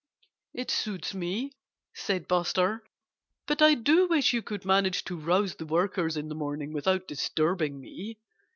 "It suits me," said Buster. "But I do wish you could manage to rouse the workers in the morning without disturbing me."